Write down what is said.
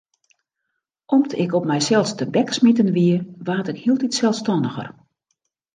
Om't ik op mysels tebeksmiten wie, waard ik hieltyd selsstanniger.